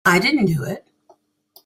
I didn't do it.